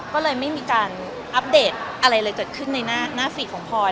ก็เลยไม่มีการอัปเดตอะไรเลยเกิดขึ้นในหน้าฟีดของพลอย